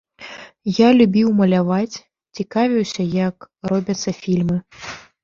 Я любіў маляваць, цікавіўся, як робяцца фільмы.